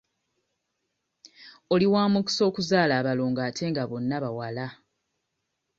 Oli wa mukisa okuzaala abalongo ate nga bonna bawala.